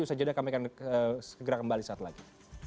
usaha jadinya kami akan segera kembali suatu lagi